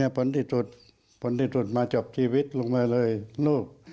ผลที่สุดผลที่สุดมาจบชีวิตลงมาเลยลูก